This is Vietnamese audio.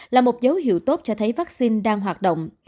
là một dấu hiệu tốt cho thấy vaccine đang hoạt động